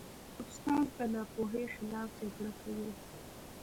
استاد د ناپوهۍ خلاف جګړه کوي.